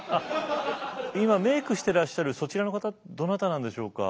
今メークしてらっしゃるそちらの方どなたなんでしょうか？